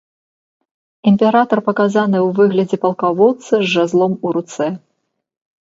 Імператар паказаны ў выглядзе палкаводца з жазлом у руцэ.